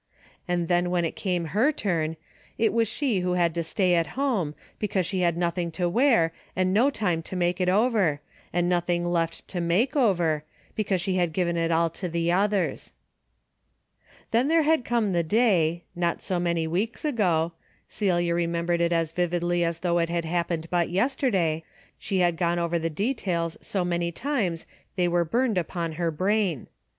And then when it came her turn, it was she who had to stay at home, because she had nothing to wear, and no time to make it over, and noth ing left to make over, because she had given it all to the others. Then had come the day, — not so many weeks ago : Celia remembered it as vividly as though it had happened but yesterday; she had gone over the details so many times they were burned upon her brain.